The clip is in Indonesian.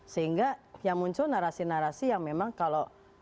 sehingga yang muncul narasi narasi yang memang kalau